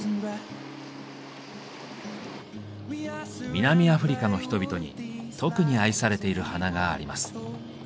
南アフリカの人々に特に愛されている花があります。